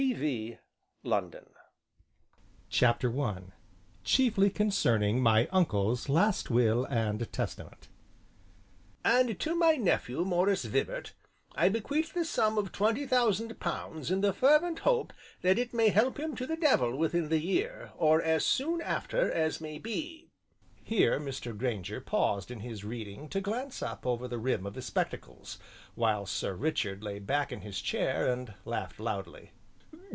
P. V. LONDON. BOOK ONE CHAPTER I CHIEFLY CONCERNING MY UNCLE'S LAST WILL AND TESTAMENT "'And to my nephew, Maurice Vibart, I bequeath the sum of twenty thousand pounds in the fervent hope that it may help him to the devil within the year, or as soon after as may be.'" Here Mr. Grainger paused in his reading to glance up over the rim of his spectacles, while Sir Richard lay back in his chair and laughed loudly.